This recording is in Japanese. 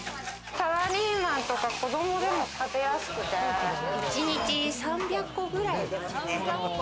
サラリーマンとか子供でも食べやすくて、一日３００個くらい出ますね。